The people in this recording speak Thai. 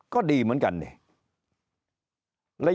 ก็ดีเหมือนกันนะครับ